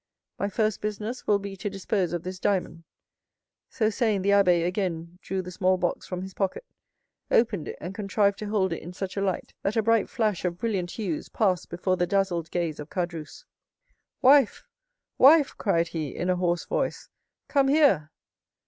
My first business will be to dispose of this diamond." So saying, the abbé again drew the small box from his pocket, opened it, and contrived to hold it in such a light, that a bright flash of brilliant hues passed before the dazzled gaze of Caderousse. "Wife, wife!" cried he in a hoarse voice, "come here!"